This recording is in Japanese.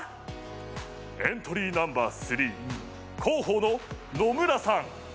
エントリーナンバー３広報の野村さん。